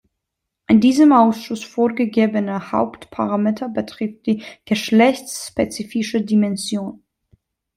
Ein diesem Ausschuss vorgegebener Hauptparameter betrifft die geschlechtsspezifische Dimension.